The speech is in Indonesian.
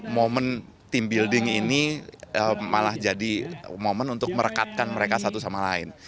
momen team building ini malah jadi momen untuk merekatkan mereka satu sama lain